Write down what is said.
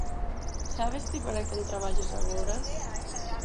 _¿Sabes ti para quen traballas agora?